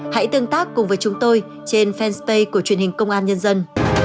hãy tương tác cùng với chúng tôi trên fanpage của truyền hình công an nhân dân